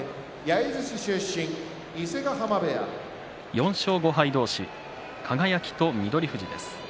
４勝５敗同士輝と翠富士です。